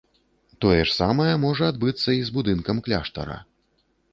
Тое самае можа адбыцца і з будынкам кляштара.